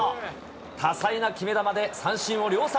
多彩な決め球で三振を量産。